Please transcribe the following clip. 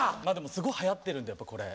すごいはやってるんでこれ。